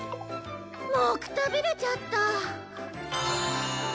もうくたびれちゃった。